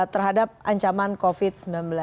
terhadap ancaman covid sembilan belas